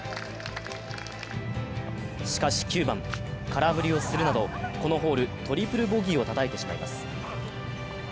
しかし９番、空振りをするなどこのホール、トリプルボギーをたたいてしまいます。